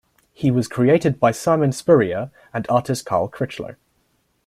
He was created by Simon Spurrier and artist Carl Critchlow.